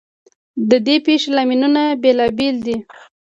ددې پیښو لاملونه بیلابیل دي.